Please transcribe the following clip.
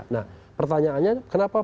nah pertanyaannya kenapa